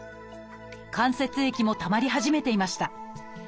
関節液もたまり始めていました。